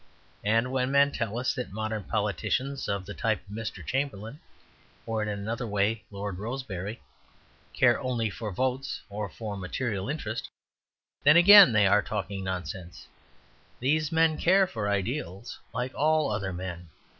And when men tell us that modern politicians of the type of Mr. Chamberlain or, in another way, Lord Rosebery, care only for votes or for material interest, then again they are talking nonsense these men care for ideals like all other men.